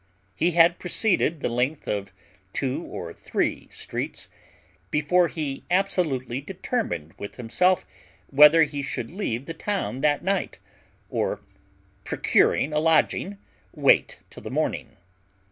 He had proceeded the length of two or three streets, before he absolutely determined with himself whether he should leave the town that night, or, procuring a lodging, wait till the morning.